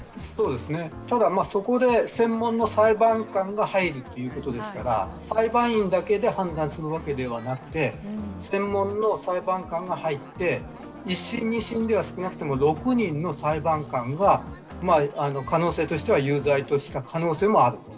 ただ、そこで専門の裁判官が入るということですから、裁判員だけで判断するわけではなくて専門の裁判官が入って１審・２審では少なくとも６人の裁判官が有罪とした可能性もあると。